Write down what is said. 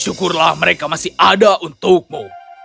syukurlah mereka masih ada untukmu